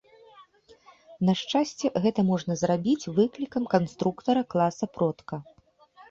На шчасце, гэта можна зрабіць выклікам канструктара класа-продка.